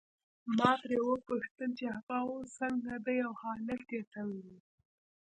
ما ترې وپوښتل چې هغه اوس څنګه دی او حالت یې څنګه وو.